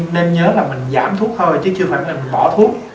nên nhớ là mình giảm thuốc thôi chứ chưa phải là mình bỏ thuốc